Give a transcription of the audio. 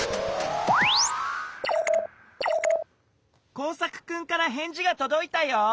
コウサクくんからへんじがとどいたよ。